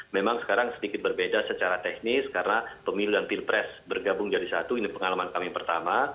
memang sekarang sedikit berbeda secara teknis karena pemilu dan pilpres bergabung jadi satu ini pengalaman kami pertama